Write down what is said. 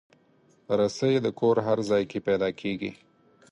رسۍ د کور هر ځای کې پیدا کېږي.